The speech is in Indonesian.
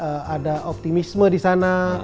ada optimisme di sana